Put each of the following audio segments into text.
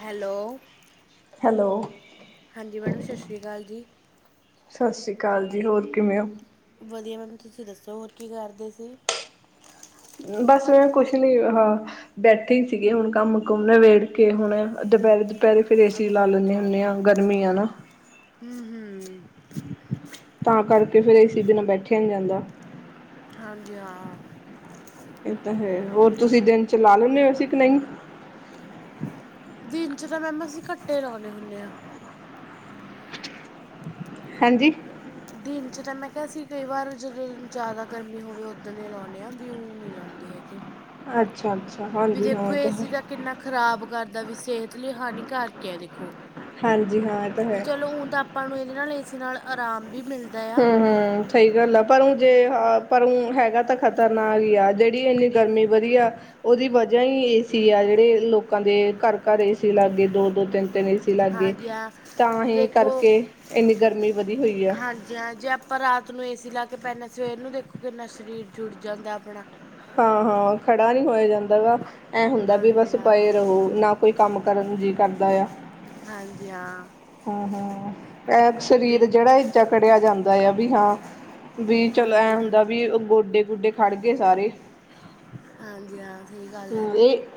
Hello- hello- ਹਾਂਜੀ madam ਸਤਿ ਸ਼੍ਰੀ ਅਕਾਲ ਜੀ। ਸਤਿ ਸ੍ਰੀ ਅਕਾਲ ਜੀ ਹੋਰ ਕਿਵੇ ਹੋ। ਵਧੀਆ ਮੈਨੂੰ ਤੁਸੀ ਦਸੋ ਹੋਰ ਕੀ ਕਰਦੇ ਸੀ। ਬਸ ਮੈਂ ਕੁਛ ਨੀ ਹਾਂ ਬੈਠੇ ਸੀਗੇ ਹੁਣ ਕੰਮ ਕੁਮ ਨਵੇੇੜ ਕੇ ਹੁਣ ਦੁਪਹਿਰੇ ਦੁਪਹਿਰੇ ਫਿਰ ਏਸੀ ਲਾ ਅੱਛਾ ਲੈਂਦੇ ਅੱਛਾ ਹੁੰਦੇ ਹਾਂ ਗਰਮੀ ਆ ਨਾ। ਤਾਂ ਕਰਕੇ ਫਿਰ ਇਸਬੇ ਬੈਠਿਆ ਨਹੀਂ ਜਾਂਦਾ ਹਾਂਜੀ ਹਾਂ। ਇਹ ਤਾਂ ਹੈ ਹੋਰ ਤੁਸੀਂ ਦਿਨ ਚਲਾ ਲੈਦੇ ਹੋ ਏਸੀ ਕਿ ਨਹੀਂ। ਦਿਨ ਚ ਤਾਂ ਮੈਮ ਅਸੀਂ ਇਕੱਟੇ ਲਾਉਣੇ ਹੁੰਦੇ ਹਾਂ। ਹਾਂਜੀ। ਦਿਨ ਚ ਤਾਂ ਮੈਂ ਕਿਹਾ ਸੀ ਕਈ ਵਾਰ ਜਦੋਂ ਜ਼ਿਆਦਾ ਗਰਮੀ ਹੋਵੇ ਉਦਣੇ ਹੀ ਲਾਉਂਦੇ ਹਾਂ ਵੀਊ ਉਹ ਨਹੀਂ ਲਾਉਦੇ ਹੈਗੇ। ਅੱਛਾ ਅੱਛਾ ਵੀ ਹਾਂਜੀ ਹਾਂ ਦੇਖੋ ਇਹ ਤਾਂ ਹੈ ਏਸੀ ਦਾ ਕਿੰਨਾ ਖ਼ਰਾਬ ਕਰਦਾ ਵੀ ਸਿਹਤ ਲਈ ਹਾਨੀਕਾਰਕ ਆ ਦੇਖੋ। ਹਾਂਜੀ ਹਾਂ ਇਹ ਤਾਂ ਵੀ ਹੈ ਚਲੋ ਹੁਣ ਤਾਂ ਆਪਾਂ ਨੂੰ ਇਹਦੇ ਨਾਲ ਏ ਨਾਲ ਆਰਾਮ ਵੀ ਮਿਲਦਾ ਆ ਹਮ- ਹਮ ਸਹੀ ਗੱਲ ਆ ਪਰ ਉਹ ਜੇ ਪਰੋਂ ਹੈਗਾ ਤਾਂ ਖ਼ਤਰਨਾਕ ਹੀ ਆ ਜੇਹ ਇੰਨੀ ਗਰਮੀ ਵਧੀਆ। ਉਹਦੀ ਵਜ੍ਹਾ ਹੀ ਏਸੀ ਆ ਜਿਹੜੇ ਲੋਕਾਂ ਦੇ ਘਰ -ਘਰ ਏਸੀ ਲੱਗ ਗਏ ਦੋ -ਦੋ ਤਿੰਨ ਨਹੀਂ ਸੀ ਲੱਗੇ ਹਾਂਜੀ ਹਾਂ ਤਾਂ ਵੀ ਹੀ ਦੇਖੋ ਕਰਕੇ ਇੰਨੀ ਗਰਮੀ ਵਧੀ ਹੋਈ ਆ। ਹਾਂਜੀ ਹਾਂ ਜੇ ਆਪਾਂ ਰਾਤ ਨੂੰ ਏਸੀ ਲਾ ਕੇ ਪੈਣਾ ਸਵੇਰ ਨੂੰ ਦੇਖੋ ਕਿੰਨਾ ਸਰੀਰ ਜੁੜ ਜਾਂਦਾ ਆਪਣਾ। ਹਾਂ ਹਾਂ ਖੜਾ ਨਹੀਂ ਹੋਇਆ ਜਾਂਦਾ ਵਾ ਐ ਹੁੰਦਾ ਵੀ ਹਾਂਜੀ ਬਸ ਹਾਂ ਪਏ ਰਹੋ ਨਾ ਕੋਈ ਕੰਮ ਕਰਨ ਜੀ ਕਰਦਾ ਆ। ਹਾਂਜੀ ਹਾਂ। ਸਰੀਰ ਵੀ ਜਿਹੜਾ ਏ ਜਕੜਿਆ ਜਾਂਦਾ ਆ ਵੀ ਹਾਂ। ਵੀ ਚਲੋ ਐਂ ਹਾਂਜੀ ਹਾਂ ਹੁੰਦਾ ਵੀ ਗੋਡੇ -ਗੋਡੇ ਖੜ ਗਏ ਸਾਰੇ ਹਾਂਜੀ ਹਾਂ ਸਹੀ ਗੱਲ ਹੈ।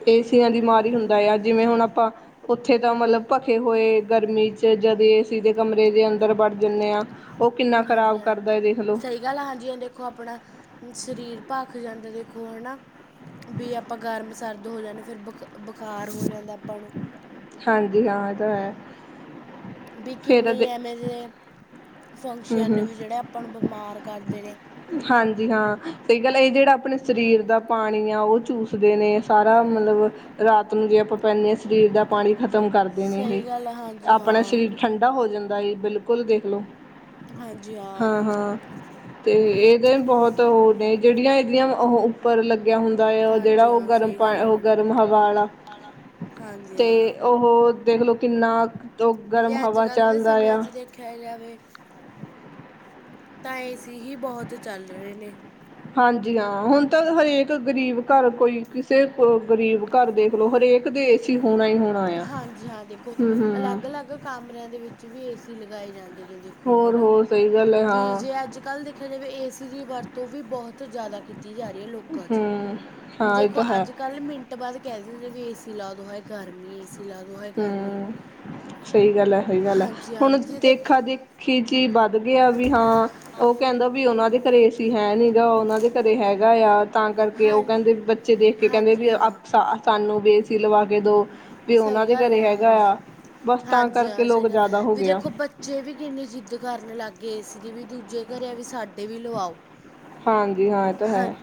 ਏਸੀ ਤਾਂ ਬਿਮਾਰੀ ਹੁੰਦਾ ਆ ਜਿਵੇਂ ਹੁਣ ਆਪਾਂ ਉੱਥੇ ਤਾਂ ਮਤਲਬ ਭਖੇ ਹੋਏ ਗਰਮੀ ਚ ਜਦ ਏਸੀ ਦੇ ਕਮਰੇ ਦੇ ਅੰਦਰ ਵੜ ਜਾਂਦੇ ਹਾਂ। ਉਹ ਕਿੰਨਾ ਹਾਂਜੀ ਖ਼ਰਾਬ ਹਾਂ ਕਰਦਾ ਹੈ ਦੇਖ ਲਓ ਸਹੀ ਗੱਲ ਹਾਂਜੀ ਹਾਂ ਦੇਖੋ ਆਪਣਾ ਸਰੀਰ ਭਖ ਜਾਂਦਾ ਦੇਖੋ ਹੈ ਨਾ ਵੀ ਆਪਾਂ ਗਰਮ ਸਰਦ ਹੋ ਜਾਂਦੇ ਫਿਰ ਬਕ ਬੁਖਾਰ ਹੋ ਜਾਂਦਾ ਆਪਾਂ ਨੂੰ। ਹਾਂਜੀ ਹਾਂ ਤਾਂ ਹੈ। ਵੀ ਫੇਰ ਕਿੰਨੀ ਦੇ ਆ ਮੈਂ ਹੂੰ ਫੰਕਸ਼ਨ ਹੂੰ ਵੀ ਜਿਹੜੇ ਆਪਾਂ ਬਿਮਾਰ ਕਰਦੇ ਨੇ। ਹਾਂਜੀ ਹਾਂ ਸਹੀ ਗੱਲ ਇਹ ਜਿਹੜਾ ਆਪਣੇ ਸਰੀਰ ਦਾ ਪਾਣੀ ਆ ਉਹ ਚੂਸਦੇ ਨੇ ਸਾਰਾ ਮਤਲਬ ਰਾਤ ਨੂੰ ਜੇ ਆਪਾਂ ਪੈਂਦੇ ਹਾਂ ਸਰੀਰ ਦਾ ਪਾਣੀ ਖਤਮ ਖ਼ਤਮ ਕਰਦੇ ਨੇ ਸਹੀ ਗੱਲ ਆ ਇਹ ਹਾਂਜੀ ਆਪਣਾ ਹਾਂ ਸਰੀਰ ਠੰਢਾ ਹੋ ਜਾਂਦਾ ਬਿਲਕੁਲ ਦੇਖਲੋ। ਹਾਂਜੀ ਹ। ਅਤੇ ਇਹਦੇ ਬਹੁਤ ਉਹ ਨੇ ਜਿਹੜੀਆਂ ਇਹਦੀਆਂ ਉਹ ਉੱਪਰ ਲੱ ਲੱਗਿਆ ਹੁੰਦਾ ਹੈ ਉਹ ਜਿਹੜਾ ਹਾਂਜੀ ਉਹ ਹਾਂ ਗਰਮ ਸਹੀ ਪਾ ਗੱਲ ਹੈ ਉਹ ਮੈਡਮ ਗਰਮ ਹਵਾ ਵਾਲਾ। ਹਾਂਜੀ ਤੇ ਹਾਂ ਉਹ ਦੇਖਲੋ ਕਿੰਨਾ ਉਹ ਵੀ ਗਰਮ ਜੇ ਅੱਜ ਹਵਾ ਕੱਲ੍ਹ ਦੇ ਚੱਲਦਾ ਸਮਿਆਂ ਆ ਚ ਦੇਖਿਆ ਜਾਵੇ ਤਾਂ ਏ ਸੀ ਹੀ ਬਹੁਤ ਚੱਲ ਰਹੇ ਨੇ। ਹਾਂਜੀ ਹਾਂ ਹੁਣ ਤਾਂ ਹਰੇਕ ਗਰੀਬ ਘਰ ਕੋਈ ਕਿਸੇ ਕੋ ਗਰੀਬ ਘਰ ਦੇਖ ਲਓ ਹਰੇਕ ਸਕਦੇ ਸੀ। ਹਾਂਜੀ ਹਾਂ ਦੇਖੋ ਹੂੰ-ਹੂੰ ਅਲੱਗ ਅਲੱਗ ਕਾਮਰਿਆਂ ਦੇ ਵਿੱਚ ਵੀ ਏ ਸੀ ਲਗਾਏ ਜਾਂਦੇ। ਦੇਖੋ ਹਨਾ ਹੋਰ-ਹੋਰ ਸਹੀ ਗੱਲ ਹੈ ਵੀ ਹਾਂ ਜੇ ਅੱਜ ਕੱਲ ਦੇਖਿਆ ਜਾਵੇ ਏਸੀ ਦੀ ਵਰਤੋਂ ਵੀ ਬਹੁਤ ਜਿਆਦਾ ਕੀਤੀ ਜਾ ਰਹੀ ਹੈ ਲੋਕਾਂ ਚ ਹੂੰ ਹਾਂ ਇਹ ਦੇਖੋ ਤਾਂ ਹੈ ਅੱਜ ਕੱਲ ਮਿੰਟ ਬਾਅਦ ਕਹਿ ਦਿੰਦੇ ਵੀ ਏ ਸੀ ਲਾ ਦੋ ਹੈ ਗਰਮੀ ਏ ਸੀ ਹੂ ਸਹੀ ਗੱਲ ਹੈ ਸਹੀ ਗੱਲ ਹੈ ਹਾਂਜੀ ਹਾਂ ਹੁਣ ਜੇ ਦੇਖਿਓ ਦੇਖਾ ਦੇਖੀ ਚੀ ਬਾਤ ਵਧੀਆ ਵੀ ਹਾਂ ਉਹ ਕਹਿੰਦਾ ਵੀ ਉਹਨਾਂ ਦੇ ਘਰੇ ਏਸੀ ਹੈ ਨੀ ਗਾ ਉਹਨਾਂ ਦੇ ਘਰੇ ਹੈਗਾ ਆ। ਤਾਂ ਕਰਕੇ ਉਹ ਹਾਂਜੀ ਕਹਿੰਦੇ ਬੱਚੇ ਦੇਖ ਕੇ ਕਹਿੰਦੇ ਹਾਂਜੀ ਵੀ ਹਾਂ ਸਾਨੂੰ ਬੇਸੀ ਲਵਾ ਕੇ ਦਉ। ਵੀ ਉਹਨਾਂ ਸਹੀ ਦੇ ਗੱਲ ਘਰੇ ਹੈ ਹੈਗਾ ਹਾਂਜੀ। ਆ। ਬਸ ਤਾਂ ਹਾਂਜੀ ਕਰਕੇ ਹਾਂ ਲੋਕ ਸਹੀ ਗ ਜ਼ਿਆਦਾ ਹੋ ਵੀ ਗਿਆ, ਦੇਖੋ ਬੱਚੇ ਵੀ ਕਿੰਨੀ ਜਿੱਦ ਕਰਨ ਲੱਗ ਗਏ ਏਸੀ ਜਿਵੇਂ ਦੂਜੇ ਘਰ, ਵੀ ਸਾਡੇ ਵੀ ਲਵਾਓ। ਹਾਂਜੀ ਹਾਂ ਇਹ ਤਾਂ ਹੈ।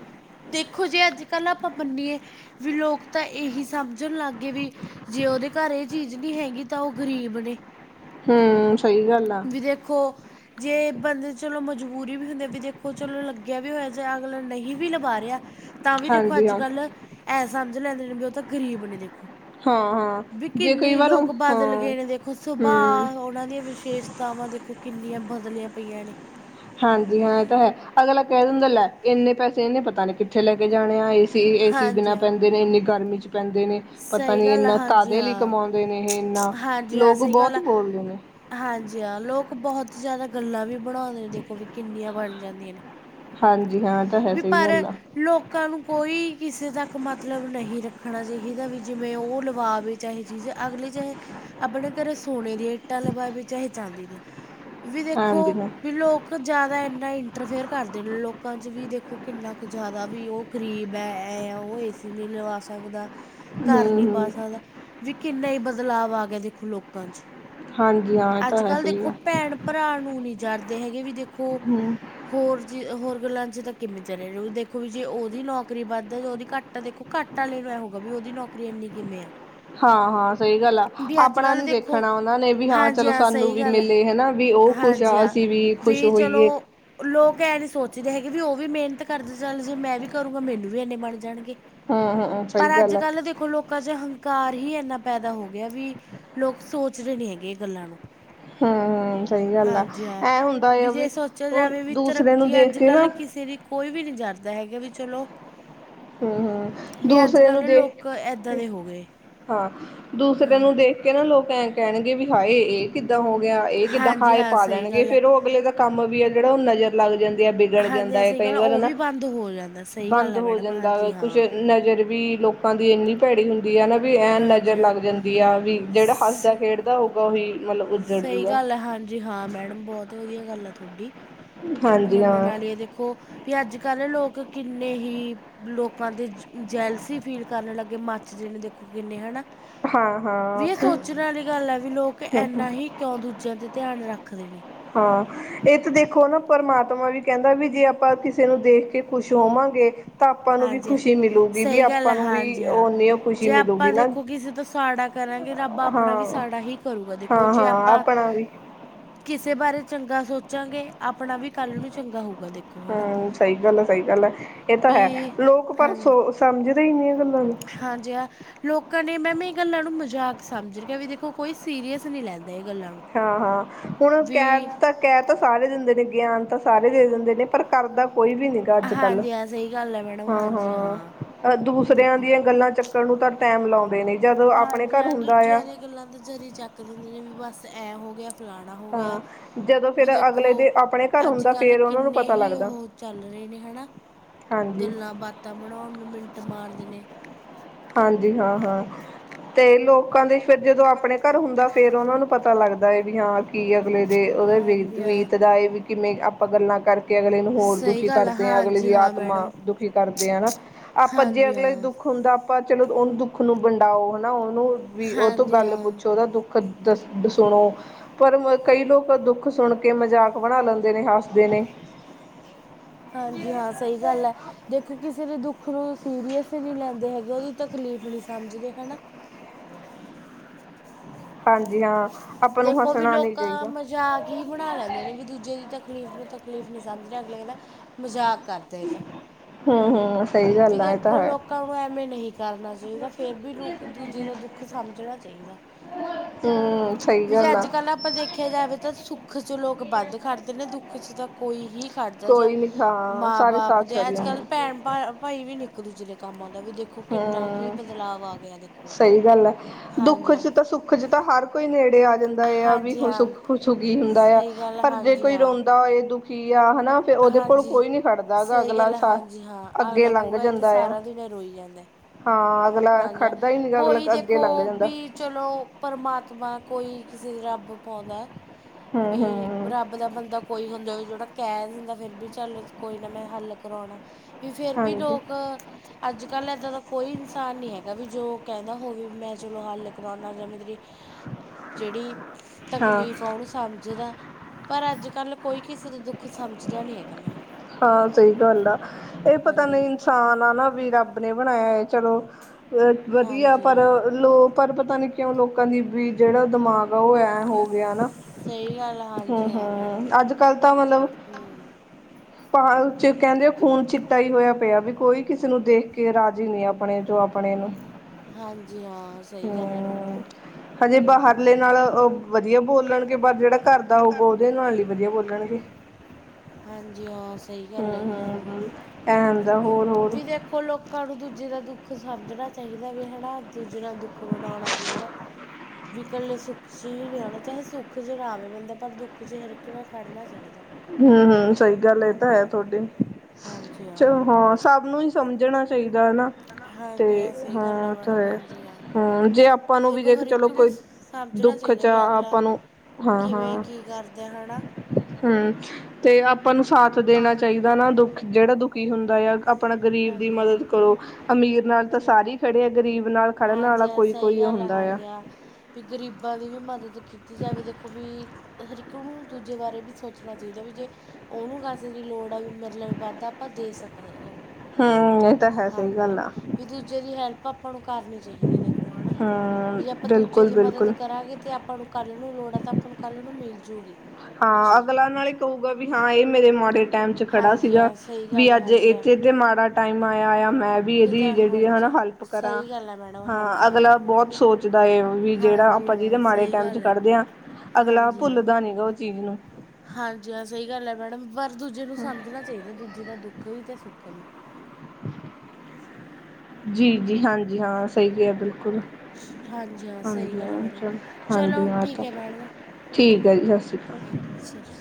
ਦੇਖੋ ਜੇ ਅੱਜ ਕੱਲ ਆਪਾਂ ਮੰਨੀਏ ਵੀ ਲੋਕ ਤਾਂ ਇਹੀ ਸਮਝਣ ਲੱਗ ਗਏ। ਵੀ ਜੇ ਉਹਦੇ ਘਰ ਇਹ ਚੀਜ਼ ਨਹੀਂ ਹੈਗੀ ਤਾਂ ਉਹ ਗ਼ਰੀਬ ਨੇ। ਹੂੰ ਸਹੀ ਗੱਲ ਆ, ਵੀ ਦੇਖੋ! ਜੇ ਬੰਦੇ, ਚਲੋ ਮਜਬੂਰ ਪੂਰੀ ਵੀ ਹੁੰਦੀ। ਵੀ ਦੇਖੋ ਚਲੋ ਲੱਗਿਆ ਵੀ ਹੋਇਆ। ਜਾਂ ਅਗਲਾ ਨਹੀਂ ਵੀ ਲਾਵਾ ਰਿਹਾ। ਤਾਂ ਵੀ ਦੇਖੋ, ਹਾਂਜੀ ਅੱਜ ਹਾਂ, ਕੱਲ ਇਹ ਸਮਝ ਲੈਂਦੇ ਨੇ। ਵੀ ਉਹ ਤਾਂ ਗ਼ਰੀਬ ਨੇ ਦੇਖੋ। ਹਾਂ-ਹਾਂ ਵੀ ਜੇ ਕਈ ਕਿੰਨੀ ਵਾਰ ਲੋਕ ਬਦਲ ਹਾਂ, ਗਏ ਨੇ ਦੇਖੋ। ਹੂੰ ਸੁਭਾਅ! ਉਹਨਾਂ ਦੀਆਂ ਵਿਸ਼ੇਸ਼ਤਾਵਾਂ ਦੇਖੋ। ਕਿੰਨੀਆਂ ਬਦਲੀਆਂ ਪਈਆਂ ਨੇ। ਹਾਂਜੀ ਹਾਂ। ਇਹ ਤਾਂ ਹੈ। ਅਗਲਾ ਕਹਿ ਦਿੰਦਾ! ! ਲੈ ਇੰਨੇ ਪੈਸੇ ਇਹਨੇ ਪਤਾ ਨ ਕਿੱਥੇ ਲੈ ਕੇ ਜਾਣੇ ਆ? ਏ ਸੀ ਹਾਂਜੀ ਬਿਨਾਂ ਹਾਂ ਪੈਂਦੇ ਨੇ ਇੰਨੀ ਗਰਮੀ ਪੈਂਦੇ ਨੇ ਪਤਾ ਸਹੀ ਨੀ ਗੱਲ ਆ ਇਨਾ ਹਾਂਜੀ ਕਾਦੇ ਲਈ ਹਾਂ ਕਮਾਉਂਦੇ ਨੇ ਇਹ। ਇਨਾ ਹਾਂਜੀ ਹਾਂ ਲੋਕ ਸਹੀ ਗੱਲ ਬਹੁਤ ਆ ਬੋਲਦੇ ਨੇ ਹਾਂਜੀ ਹਾਂ ਲੋਕ ਬਹੁਤ ਜਿਆਦਾ ਗੱਲਾਂ ਵੀ ਬਣਾਉਂਦੇ ਨੇ ਦੇਖੋ ਵੀ ਕਿੰਨੀਆਂ ਬਣ ਜਾਂਦੀਆਂ ਨੇ ਹਾਂਜੀ ਹਾਂ ਇਹ ਤਾਂ ਹੈ ਵੀ ਸਹੀ ਪਰ ਗੱਲ ਆ ਲੋਕਾਂ ਨੂੰ ਕੋਈ ਕਿਸੇ ਤੱਕ ਮਤਲਬ ਨਹੀਂ ਰੱਖ ਜਿਵੇਂ ਓ ਲਵਾਵੇ ਉਹ ਚਾਹੇ ਚੀਜ਼ ਤੇ ਅਗਲੇ ਭਾਵੇਂ ਆਪਣੇ ਘਰ ਸੋਨੇ ਦੀ ਇੱਟਾਂ ਲਗਵਾ ਲਵੇ ਚਾਏ ਚਾਂਦੀ ਦੀ। ਵੀ ਦੇਖੋ! ਹਾਂਜੀ ਹਾਂ ਵੀ ਲੋਕ ਜ਼ਿਆਦਾ ਇਨਾ ਇੰਟਰਫੇਅਰ ਕਰਦੇ ਨੇ। ਲੋਕਾਂ ਅੱਜ ਵੀ ਦੇਖੋ ਕਿੰਨਾ ਕੁ ਜ਼ਿਆਦਾ। ਵੀ ਉਹ ਗਰੀਬ ਹੈ! ਐ ਆ, ਉਹ ਏ ਸੀ ਨਹੀਂ ਲਵਾ ਸਕਦਾ। ਹੂੰ ਘਰ ਨੀ ਪਾ ਹੂੰ ਸਕਦਾ ਵੀ ਕਿੰਨਾ ਹੀ ਬਦਲਾਵ ਆ ਗਿਆ ਦੇਖੋ ਲੋਕਾਂ ਚ। ਹਾਂਜੀ ਹਾਂ ਇਹ ਤਾਂ ਅੱਜ ਹੈ ਕੱਲ ਸਹੀ ਦੇਖੋ! ਗੱਲ ਭੈਣ- ਭਰਾ ਨੂੰ ਨੀ ਜਰਦੇ ਹੈਗੇ ਵੀ ਦੇਖੋ! ਹੂੰ ਹੋਰ ਜ, ਹੋਰ ਗੱਲਾਂ ਅੱਜ ਤਾਂ, ਕਿਵੇਂ ਚ ਦੇਖੋ ਵੀ। ਜੇ ਉਹਦੀ ਨੌਕਰੀ ਵੱਧ ਹੈ। ਉਹਦੀ ਘੱਟ। ਤਾਂ ਦੇਖੋ ਘੱਟ ਵਾਲੇ ਨੂੰ ਇਹੋਗਾ ਵੀ ਉਹਦੀ ਨੌਕਰੀ [inaudible] ਹਾਂ। ਹਾਂ। ਸਹੀ ਗੱਲ ਆ। ਵੀ ਅੱਜ ਆਪਣਾ ਕੱਲ੍ਹ ਨੀ ਦੇਖੋ ਦੇਖਣਾ ਉਹਨਾਂ ਨੇ ਵੀ। ਹਾਂ ਹਾਂਜੀ ਚਲੋ ਸਾਨੂੰ ਸਹੀ ਵੀ ਗੱਲ ਹੈ ਮਿਲੇ ਹਨਾ ਵੀ। ਉਹ ਖੁਸ਼ ਹਾਂਜੀ ਆ ਹਾ। ਅਸੀਂ ਖੁਸ਼ ਵੀ ਚਲੋ ਹੋਈਏ ਲੋਕ ਐ ਨੀ ਸੋਚਦੇ ਹੈਗੇ ਵੀ ਉਹ ਵੀ ਮਿਹਨਤ ਕਰਦੇ ਚੱਲ ਜੇ ਮੈਂ ਵੀ ਕਰੂੰਗਾ, ਮੈਨੂੰ ਵੀ ਇੰਨੇ ਬਣ ਜਾਣਗੇ। ਹਾਂ ਹਾਂ ਸਹੀ ਪਰ ਅੱਜ ਗੱਲ ਹੈ ਕੱਲ ਦੇਖੋ, ਲੋਕਾਂ ਚ ਅਹੰਕਾਰ ਵੀ ਹੀ ਇਨਾ ਪੈਦਾ ਹੋ ਗਿਆ ਵੀ ਲੋਕ ਸੋਚ ਰਹੇ ਨੀ ਹੈਗੇ ਇਹ ਗੱਲਾਂ ਨੂੰ। ਹੂੰ ਸਹੀ ਗੱਲ ਆ ਹਾਂਜੀ ਹਾਂ ਐ ਹੁੰਦਾ ਵੀ ਆ ਜੇ ਸੋਚਿਆ ਹੁਣ ਜਾਵੇ, ਵੀ ਦੂਸਰੇ ਨੂੰ ਤਰੱਕੀ ਦੇਖ ਅੱਜ ਕੇ ਨਾ ਕੱਲ ਕਿਸੇ ਤੇਰੀ ਕੋਈ ਵੀ ਨੀ ਜਾਰਦਾ ਹੈਗਾ ਵੀ ਚਲੋ ਹਮ ਹਮ ਵੀ ਅੱਜ ਦੂਸਰੇ ਨੂੰ ਕੱਲ੍ਹ ਦੇਖ ਲੋਕ ਇੱਦਾਂ ਕੇ ਦੇ ਹੋ ਗਏ ਹਾਂ। ਦੂਸਰੇ ਨੂੰ ਦੇਖ ਕੇ ਨਾ, ਲੋਕ ਐਂ ਕਹਿਣਗੇ! ਵੀ ਹਾਏ ਇਹ ਕਿ ਕਿੱਦਾਂ ਹੋ ਗਿਆ। ਇਹ ਕਿੱਦਾਂ ਹਾਂਜੀ ਹਾਏ ਹਾਂ ਪਾ ਸਹੀ ਦੇਣਗੇ। ਗੱਲ ਆ ਫੇਰ ਉਹ ਅਗਲੇ ਦਾ ਕੰਮ ਵੀ ਹੈ ਜਿਹੜਾ ਉਹ ਨਜ਼ਰ ਲੱਗ ਜਾਂਦਾ। ਬਿਗੜ ਹਾਂਜੀ ਜਾਂਦਾ ਹਾਂ ਹੈ। ਸਹੀ ਕਈ ਗੱਲ ਆ ਵਾਰ ਉਹ ਹੈਨਾ, ਵੀ ਬੰਦ ਹੋ ਜਾਂਦਾ ਸਹੀ ਗੱਲ ਬੰਦ ਆ ਹੋ ਮੈਡਮ ਜਾਂਦਾ। ਹਾਂਜੀ ਕੁਛ ਹਾਂ ਨਜ਼ਰ ਵੀ ਲੋਕਾਂ ਦੀ ਇੰਨੀ ਭੈੜੀ ਹੁੰਦੀ। ਆ ਨਾ ਵੀ। ਐਂ ਹਾਂਜੀ ਨਜ਼ਰ ਹਾਂ ਲੱਗ ਜਾਂਦੀ ਆ। ਵੀ ਜਿਹੜਾ ਹੱਸਦਾ ਖੇਡਦਾ ਹੋਊਗਾ ਉਹੀ ਵੀ। ਸਹੀ ਗੱਲ ਹੈ। ਹਾਂਜੀ ਹਾਂ ਮੈਡਮ। ਬਹੁਤ ਵਧੀਆ ਗੱਲ ਆ ਤੁਹਾਡੀ। ਇਹ ਹਾਂਜੀ ਮੰਨਣ ਹਾਂ ਵਾਲੇ। ਦੇਖੋ, ਕਿ ਅੱਜ ਕੱਲ ਲੋਕ। ਕਿੰਨੇ ਹੀ ਲੋਕਾਂ ਵਿਚ ਜੈਲਸੀ ਫੀਲ ਕਰਨ ਲੱਗੇ। ਮੱਚਦੇ ਨੇ। ਦੇਖੋ ਹੈ। ਹਾਂ ਵੀ ਇਹ ਹਾਂ ਸੋਚਣ ਵਾਲੀ ਗੱਲ ਹੈ। ਵੀ ਲੋਕ ਇੰਨਾ ਹੀ। ਕਿਉਂ ਦੂਜਿਆਂ ਤੇ ਧਿਆਨ ਰੱਖਦੇ ਨੇ। ਹਾਂ। ਇਹ ਤੇ ਦੇਖੋ ਨਾ, ਪਰਮਾਤਮਾ ਵੀ ਕਹਿੰਦਾ! ਵੀ ਜੇ ਆਪਾਂ ਕਿਸੇ ਨੂੰ ਦੇਖ ਕੇ ਖੁਸ਼ ਹੋਵਾਂਗੇ। ਤਾਂ ਆਪਾਂ ਨੂੰ ਵੀ ਹਾਂਜੀ ਹਾਂ ਖੁਸ਼ੀ ਮਿਲੂਗੀ। ਵੀ ਸਹੀ ਗੱਲ ਆਪਾਂ ਹੈ ਨੂੰ ਵੀ, ਹਾਂਜੀ ਹਾਂ ਓਨੀ ਖੁਸ਼ੀ ਜੇ ਮਿਲੂਗੀ ਆਪਾਂ ਨਾ। ਦੇਖੋ ਕਿਸੇ ਤੋਂ ਸਾੜਾ ਕਰਾਂਗੇ। ਰੱਬ ਆਪਣਾ ਵੀ ਹਾਂ ਸਾਡਾ ਹੀ ਕਰੂਗਾ। ਦੇਖੋ ਹਾਂ ਜੇ ਹਾਂ ਆਪਾਂ ਆਪਣਾ ਵੀ ਕਿਸੇ। ਦੇ ਬਾਰੇ ਚੰਗਾ ਸੋਚਾਂਗੇ। ਆਪ। ਹਮ ਸਹੀ ਗੱਲ ਹੈ। ਸਹੀ ਗੱਲ ਹੈ। ਇਹ ਤਾਂ। ਵੀ ਹੈ। ਲੋਕ ਪਰ ਹਾਂਜੀ ਸੋ ਸਮਝਦੇ ਹੀ ਨਹੀਂ। ਗੱਲਾਂ ਨੂੰ ਹਾਂਜੀ। ਆ ਲੋਕਾਂ ਨੇ ਮੈਮ, ਇਹ ਗੱਲਾਂ ਨੂੰ ਮਜ਼ਾਕ। ਸਮਝ ਕੇ। ਵੀ ਦੇਖੋ ਕੋਈ ਸੀਰੀਅਸ ਨਹੀਂ ਲੈਂਦਾ। ਇਹ ਗੱਲਾਂ ਨੂੰ ਹਾਂ! ਹਾਂ! ਹੁਣ ਕਹਿ ਵੀ ਤਾਂ। ਕਹਿ ਤਾਂ। ਸਾਰੇ ਦਿੰਦੇ ਨੇ ਗਿਆਨ। ਤਾਂ ਸਾਰੇ ਦੇ ਦਿੰਦੇ ਨੇ ਪਰ ਕਰਦਾ। ਕੋਈ ਵੀ ਨੀ ਅੱਜ ਕੱਲ ਹਾਂਜੀ ਹਾਂ ਸਹੀ ਗੱਲ ਹੈ ਮੈਡਮ ਹਾਂ ਹਾਂਜੀ ਹਾਂ ਦੂਸਰਿਆਂ ਦੇਖੋ ਦੀਆਂ ਗੱਲਾਂ ਚ। ਨੂੰ ਤਾਂ ਟਾਈਮ ਲਾਉਂਦੇ ਨੇ। ਜਦੋਂ ਆਪਣੇ ਹਾਂਜੀ ਘਰ ਹਾਂ ਹੁੰਦਾ ਆ ਦੂਜਿਆਂ ਦੀ ਗੱਲਾਂ ਤਾਂ ਜ਼ਰੀ ਚੱਕ ਦਿੰਦੇ ਨੇ ਵੀ ਬੱਸ ਐ ਹੋ ਗਿਆ। ਫਲਾਣਾ ਹੋ ਗਿਆ ਹਾਂ ਜਦੋਂ ਵੀ ਫਿਰ ਦੇਖੋ ਅਗਲੇ ਦੇ ਆਪਣੇ ਘਰ ਅੱਜ ਹੁੰਦਾ ਕੱਲ ਫਿਰ ਉਹਨਾਂ ਨੂੰ ਕਿੰਨੇ ਪਤਾ ਹੀ ਲੱਗਦਾ ਉਹ ਚੱਲ ਰਹੇ। ਨੇ ਹਨਾ ਹਾਂਜੀ ਗੱਲਾਂ ਬਾਤਾਂ ਬਣਾਉਣ ਨੂੰ ਮਿੰਟ ਮਾਰਦੇ ਨੇ ਹਾਂਜੀ ਹਾਂ ਹਾਂ। ਤੇ ਲੋਕਾਂ ਦੇ ਫਿਰ ਜਦੋਂ ਆਪਣੇ ਘਰ ਹੁੰਦਾ ਫੇਰ ਉਹਨਾਂ ਨੂੰ ਪਤਾ ਲੱਗਦਾ ਹੈ ਵੀ ਹਾਂ ਕੀ ਹੈ। ਅਗਲੇ ਦੇ ਉਹਦੇ ਹਾਂਜੀ ਹਾਂ ਬੀਤਦਾ ਇਹ ਵੀ ਕਿਵੇਂ ਆਪਾਂ ਗੱਲਾਂ ਕਰ। ਅਗਲੇ ਨੂੰ ਹੋਰ ਸਹੀ ਦੁਖੀ ਗੱਲ ਆ ਕਰਦੇ ਹਾਂ, ਅਗਲੇ ਹਾਂਜੀ ਦੀ ਆਤਮਾ ਮੈਡਮ ਦੁਖੀ ਕਰਦੇ ਹਨਾ ਆਪਾਂ ਜੇ ਹਾਂਜੀ ਅਗਲੇ ਹਾਂ ਦੁੱਖ ਹੁੰਦਾ। ਆਪਾਂ ਚਲੋ ਉਹਨੂੰ ਦੁੱਖ ਨੂੰ ਵੰਡਾਓ ਹੈ ਨਾ ਉਹਨੂੰ ਵੀ ਉਹ ਤੋਂ ਹਾਂਜੀ ਗੱਲ ਹਾਂ ਪੁੱਛੋ ਉਹਦਾ ਦੁੱਖ। ਦੁਖ ਸੁਣੋ ਪਰ ਕਈ ਲੋਕ ਦੁੱਖ ਸੁਣ ਕੇ ਮਜ਼ਾਕ ਬਣਾ ਲੈਂਦੇ ਨੇ ਹੱਸਦੇ ਨੇ। ਤੇ। ਹਾਂਜੀ ਹਾਂ ਸਹੀ ਗੱਲ ਹੈ ਦੇਖੋ ਕਿਸੇ ਦੇ ਦੁੱਖ। ਉਸ ਨੂੰ ਸੀਰੀਅਸ ਨਹੀ ਲੈਂਦੇ ਹੈਗੇ ਉਹਦੀ ਤਕਲੀਫ਼ ਨਹੀ ਸਮਝਦੇ ਹਨਾ। ਹਾਂਜੀ ਹਾਂ। ਆਪਾਂ ਨੂੰ ਦੇਖੋ ਵੀ ਹੱਸਣਾ ਨਹੀਂ ਲੋਕਾਂ ਚਾਹੀਦਾ ਮਜ਼ਾਕ ਹੀ ਬਣਾ ਲੈਂਦੇ ਨੇ ਵੀ ਦੂਜੇ ਦੀ ਤਕਲੀਫ਼ ਨੂੰ ਤਕਲੀਫ਼ ਨਹੀਂ ਸਮਝਦੇ ਅਗਲੇ। ਮਜ਼ਾਕ। ਕਰਦੇ ਇਹ ਤਾਂ ਹਮ ਹਮ। ਸਹੀ ਵੀ ਗੱਲ ਆ ਇਹ ਤਾਂ ਦੇਖੋ ਹੈ ਲੋਕਾਂ ਨੂੰ ਐਵੇਂ ਨਹੀਂ ਕਰਨਾ ਚਾਹੀਦਾ ਫੇਰ ਵੀ ਦੂਜੇ ਦਾ ਦੁੱਖ ਸਮਝਣਾ ਚਾਹੀਦਾ। ਚਾਹੀਦਾ। ਹਮ। ਸਹੀ ਵੀ ਜੇ ਗੱਲ ਆ ਅੱਜ ਕੱਲ੍ਹ ਆਪਾਂ ਦੇਖਿਆ ਜਾਵੇ ਤਾਂ ਸੁੱਖ ਚ ਲੋਕ ਬੰਦ ਕਰਦੇ ਨੇ ਦੁੱਖ। ਭੁੱਖ ਚ ਤਾਂ ਕੋਈ ਹੀ ਖੜਦਾ ਜਾਂ ਕੋਈ ਨੀ ਹਾਂ ਮਾਂ ਸਾਰੇ ਬਾਪ ਸਾਥ ਦੇ ਛੱਡ ਅੱਜ ਕੱਲ੍ਹ ਜਾਂਦੇ ਭੈਣ ਭਰਾ। ਵੀ ਇੱਕ ਦੂਜੇ ਦੇ ਕੰਮ ਆਉਂਦੇ। ਹਮ ਦੇਖੋ ਸਹੀ ਗੱਲ ਹੈ ਦੁੱਖ ਹਾਂਜੀ ਹਾਂ ਚ ਤਾਂ ਸੁੱਖ ਚ ਤਾਂ ਹਰ। ਕੋਈ ਨੇੜੇ ਆ। ਜਾਂਦਾ ਆ ਵੀ ਹਾਂਜੀ ਹੁ ਹਾਂ ਸੁਖ ਸੁਖੀ ਹੁੰਦਾ ਆ ਸਹੀ ਗੱਲ ਪਰ ਜੇ ਹਾਂਜੀ ਕੋਈ ਹਾਂ ਰੋਂਦਾ ਹੋਏ ਦੁਖੀ ਆ। ਨਾ ਫਿਰ ਉਹਦੇ ਕੋਲ ਹਾਂਜੀ ਕੋਈ ਨੀ ਖੜਦਾ ਹੈਗਾ ਸਹੀ ਅਗਲਾ ਗੱਲ ਹੈ ਸਾ ਹਾਂਜੀ ਅੱਗੇ ਲੰਘ ਜਾਂਦਾ। ਹੋੋਈ ਜਾਂਦਾ। ਹਾਂ ਅਗਲਾ ਹਾਂਜੀ ਖੜਦਾ ਹੀ ਨੀ ਗਾ ਅਗਲਾ ਕੋਈ ਅੱਗੇ ਦੇਖੋ ਲੰਘ ਜਾਂਦਾ ਵੀ ਚਲੋ ਪਰਮਾਤਮਾ। ਕੋਈ ਕਿਸੇ ਰੱਬ ਪਾਉਂਦਾ ਹਮ ਵੀ ਹਮ ਰੱਬ ਦਾ ਬੰਦਾ ਕੋਈ ਹੁੰਦਾ ਜਿਹੜਾ। ਕਹਿ ਦਿੰਦਾ ਫਿਰ ਵੀ ਚੱਲ ਕੋਈ ਨਾ ਮੈਂ ਹੱਲ ਕਰਾਉਣਾ। ਵੀ ਫਿਰ ਵੀ ਹਾਂਜੀ ਲੋਕ ਅੱਜ ਕੱਲ੍ਹ ਇਹਦਾਂ ਦਾ ਕੋਈ। ਇਨਸਾਨ ਨਹੀਂ ਹੈਗਾ ਵੀ ਜੋ ਕਹਿੰਦਾ ਹੋਵੇ ਮੈਂ ਚਲੋ ਹੱਲ ਕਰਾਉਦਾ ਜਾਂ ਮੇ ਤੇਰੀ ਜਿਹੜੀ ਹਾਂ ਤਕਲੀਫ਼ ਆ ਉਹਣੂੰ ਸਮਝ ਦਾ ਪਰ ਅੱਜ ਕੱਲ ਕੋਈ ਕਿਸੇ ਦਾ ਦੁੱਖ ਸਮਝਦਾ ਨੀ ਹੈਗਾ ਮੈਡਮ ਹਾਂ ਸਹੀ ਗੱਲ ਆ ਇਹ ਪਤਾ ਹਾਂਜੀ ਨਹੀਂ ਹਾਂ ਇਨਸਾਨ ਆ ਨਾ ਵੀਰਾ ਨੇ ਬਣਾਇਆ ਹੈ ਚਲੋ ਅ ਵਧੀਆ ਹਾਂਜੀ ਪਰ ਹਾਂ ਲੋ ਪਰ ਪਤਾ ਨੀ ਕਿਉਂ ਲੋਕਾਂ ਦੀ ਵੀ ਜਿਹੜਾ ਦਿਮਾਗ ਆ ਉਹ ਐਂ ਹੋ ਗਿਆ ਨਾ ਸਹੀ ਗੱਲ ਹਾਂਜੀ ਹੂੰ ਹਾਂ ਮੈਡਮ ਹੂੰ ਅੱਜ ਕੱਲ੍ਹ ਤਾਂ ਮਤਲਬ ਹਮ ਕਹਿੰਦੇ ਖੂਨ ਚਿੱਟਾ ਹੀ ਹੋਇਆ ਪਿਆ ਵੀ ਕੋਈ ਕਿਸੇ ਨੂੰ ਦੇਖ ਕੇ ਰਾਜ਼ੀ ਨਹੀਂ ਆਪਣੇ ਜੋ ਆਪਣੇ ਨੂੰ ਹਾਂਜੀ ਹਾਂ ਸਹੀ ਗੱਲ ਹੈ ਹੂੰ ਮੈਡਮ ਹਜੇ ਹਮ ਬਾਹਰਲੇ ਨਾਲ ਹ ਵਧੀਆ ਬੋਲਣਗੇ ਪਰ ਜਿਹੜਾ ਘਰਦਾ ਹੋਊਗਾ ਉਹਦੇ ਨਾਲ ਹੀ ਵਧੀਆ ਬੋਲਣਗੇ ਹਾਂਜੀ ਹਾਂ ਸਹੀ ਹੂੰ ਗੱਲ ਹੈ ਜ ਹੂੰ ਐ ਹੁੰਦਾ ਹਾਂਜੀ ਹੋਰ ਹੋਰ ਵੀ ਦੇਖੋ ਲੋਕਾਂ ਨੂੰ ਦੂਜੇ ਦਾ ਦੁੱਖ ਸਮਝਣਾ ਚਾਹੀਦਾ ਵੀ ਹਨਾ ਦੂਜੇ ਨਾਲ ਦੁੱਖ ਬਣਾਉਣਾ ਚਾਹੀਦਾ ਵਿਕਲੇ ਸੁੱਖ ਚ ਹੀ ਨਹੀਂ ਆਉਣਾ ਚਾਹੇ ਸੁੱਖ ਚ ਨਾ ਆਵੇ ਬੰਦਾ ਪਰ ਦੁੱਖ ਚ ਹ ਕਿਣਾ ਖੜਨਾ ਚਾਹੀਦਾ ਹਮ ਹਮ ਸਹੀ ਗੱਲ ਇਹ ਤਾਂ ਹਾਂਜੀ ਹੈ ਹਾਂ ਤੁਹਾਡੀ ਚਲੋ ਹਾਂ ਸਭ ਨੂੰ ਹੀ ਸਮਝਣਾ ਚਾਹੀਦਾ ਹਨਾ। ਤੇ ਹਾਂਜੀ ਸਹੀ ਗੱਲ ਹਾਂ ਤਾਂ ਮੈਡਮ ਹੈ ਹਾਂਜੀ ਹਾਂ ਜੇ ਆਪਾਂ ਨੂੰ ਵੀ ਜੇ ਦੇਖੋ ਹਰ ਚਲੋ ਇੱਕ ਨੂੰ ਕੋਈ ਸਮਝਣਾ ਦੁੱਖ ਚ ਚਾਹੀਦਾ ਵੀ ਅਗਲਾ ਆਪਾਂ ਨੂੰ ਹਾਂ ਕਿਵੇਂ ਹਾਂ ਕੀ ਕਰਦੇ ਹਨਾ ਹਮ ਤੇ ਆਪਾਂ ਨੂੰ ਸਾਥ ਦੇਣਾ ਚਾਹੀਦਾ ਨਾ ਦੁੱਖ ਜਿਹੜਾ ਦੁਖੀ ਹੁੰਦਾ ਆ ਆਪਣਾ ਗਰੀਬ ਦੀ ਹਾਂਜੀ ਹਾਂ ਮਦਦ ਕਰੋ ਅਮੀਰ ਨਾਲ ਤਾਂ ਸਾਰੇ ਹੀ ਖੜੇ ਆ ਗਰੀਬ- ਨਾਲ ਖੜਨ ਹਾਂਜੀ ਵਾਲਾ ਹ ਕੋਈ ਸਹੀ ਕੋਈ ਗੱਲ ਆ ਹੁੰਦਾ ਹਾਂਜੀ ਹ ਵੀ ਗ਼ਰੀਬਾਂ ਦੀ ਵੀ ਮਦਦ ਕੀਤੀ ਜਾਵੇ ਦੇਖੋ ਵੀ ਹਰ ਇੱਕ ਨੂੰ ਦੂਜੇ ਬਾਰੇ ਵੀ ਸੋਚਣਾ ਚਾਹੀਦਾ ਵੀ ਜੇ ਉਹਨੂੰ ਕੇ ਦੀ ਲੋੜ ਆ ਵੀ ਮਿਲਣ ਵੱਧਦਾ ਦੇ ਸਕਾਂ ਹਮ ਇਹ ਤਾਂ ਹੈ। ਸਹੀ ਗੱਲ ਆ। ਵੀ ਦੂਜੇ ਦੀ ਹੈਲਪ ਆਪਾਂ ਨੂੰ ਕਰਨੀ ਚਾਹੀਦੀ ਹੈ ਦੇਖੋ ਹੈ ਨਾ ਹਮ ਜੇ ਜੇ ਆਪਾਂ ਦੂਜੇ ਬਿਲਕੁਲ ਦੀ ਮਦਦ ਬਿਲਕੁਲ ਕਰਾਂਗੇ ਤੇ ਆਪਾਂ ਨੂੰ ਕੱਲ੍ਹ ਨੂੰ ਲੋੜ ਆ ਤਾਂ ਆਪਾਂ ਨੂੰ ਕੱਲ੍ਹ ਨੂੰ ਮਿਲ ਜੂਗੀ। ਉਹ ਹਾਂ ਚੀਜ਼ ਅਗਲਾ ਨਾਲ ਹੀ ਕਹੂਗਾ ਵੀ ਹਾਂ ਇਹ ਮੇਰੇ ਮਾੜੇ ਟਾਈਮ ਚ ਖੜਾ ਹਾਂਜੀ ਸੀਗਾ ਹਾਂ ਸਹੀ ਗੱਲ ਵੀ ਹੈ ਅੱਜ ਹਾਂਜੀ ਹਾਂ ਇੱਥੇ ਤੇ ਮਾੜਾ ਟਾਈਮ ਆਇਆ ਆ ਮੈਂ ਵੀ ਇਹਦੀ ਤਾਂ ਜਿਹੜੀ ਹਾਂਜੀ ਹਨਾ ਹਾਂ, ਹੈਲਪ ਕਰਾਂ ਸਹੀ ਗੱਲ ਹੈ ਮੈਡਮ ਹਾਂਜੀ ਹਾਂ ਅਗਲਾ ਬਹੁਤ ਸੋਚ ਵੀ ਜਿਹੜਾ ਹਾਂਜੀ ਆਪਾਂ ਜਿਹਦੇ ਹਾਂ ਮਾੜੇ ਸਹੀ ਟਾਈਮ ਚ ਗੱਲ ਹੈ ਕੱਦੇ ਹਾਂ ਅਗਲਾ ਹਾਂਜੀ ਹਾਂ ਭੁੱਲਦਾ ਨੀ ਗਾ ਉਹ ਚੀਜ਼ ਨੂੰ। ਹਾਂਜੀ। ਹਹ ਸਹੀ ਗੱਲ ਹੈ ਮੈਡਮ ਪਰ ਦੂਜੇ ਨੂੰ ਸਮਝਣਾ ਚਾਹੀਦਾ ਦੂਜੇ ਦਾ ਦੁੱਖ। ਦੁਖਵੀ ਤੇ ਸੁਖਖਵੀ। ਜੀ, ਜੀ। ਹਾਂਜੀ। ਹਾਂ ਸਹੀ ਕਿਹਾ ਬਿਲਕੁਲ। ਹਾਂਜੀ ਹਾਂ ਸਹੀ ਹਾਂਜੀ ਗੱਲ ਹੈ ਹਾਂ ਮੈਡਮ ਚਲ ਹਾਂਜੀ ਚਲੋ ਹਾਂ ਠੀਕ ਚ ਹੈ ਮੈਡਮ ਠੀਕ ਹੈ ਜੀ। ਸਤਿ ਸ਼੍ਰੀ ਅਕਾਲ। ਹਾਂਜੀ ਸਤਿ ਸ਼੍ਰੀ